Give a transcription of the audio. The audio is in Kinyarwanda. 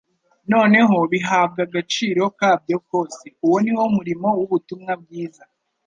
noneho bihabwa agaciro kabyo kose. Uwo niwo murimo w'ubutumwa bwiza,